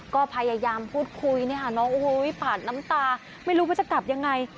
ก็พยายามพูดคุยน้องผ่านน้ำตาไม่รู้ว่าจะกลับยังไง